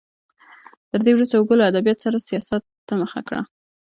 تر دې وروسته هوګو له ادبیاتو سیاست ته مخه کړه.